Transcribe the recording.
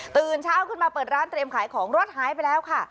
ตื่นเช้าขึ้นมาเปิดร้านเตรียมขายของรถหายไปแล้วค่ะ